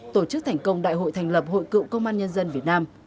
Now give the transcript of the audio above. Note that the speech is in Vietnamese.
tổ chức thành công đại hội thành lập hội cựu công an nhân dân việt nam